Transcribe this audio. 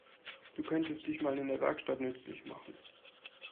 Du könntest dich mal in der Werkstatt nützlich machen.